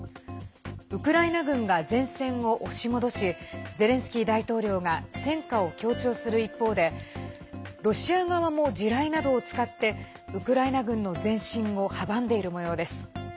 ウクライナ軍が前線を押し戻しゼレンスキー大統領が戦果を強調する一方でロシア側も地雷などを使ってウクライナ軍の前進を阻んでいるもようです。